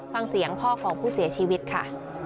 ฟังเสียงพ่อของผู้เสียชีวิตค่ะ